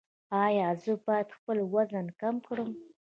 ایا زه باید خپل وزن کم کړم؟